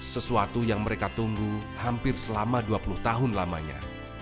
sesuatu yang mereka tunggu hampir selama dua puluh tahun lamanya